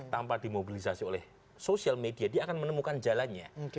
tanpa dimobilisasi oleh social media dia akan menemukan jalannya